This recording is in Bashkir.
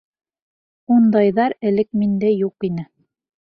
Ундайҙар элек миндә юҡ ине.